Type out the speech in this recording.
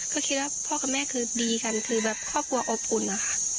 ก็คิดว่าพ่อกับแม่คือดีกันคือแบบครอบครัวอบอุ่นนะคะ